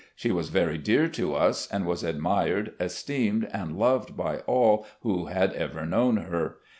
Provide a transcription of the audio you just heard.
She was very dear to us, and was admired, esteemed and loved by all who had ever known her.